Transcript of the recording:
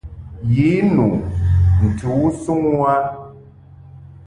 Ye nu ntɨ u suŋ u a.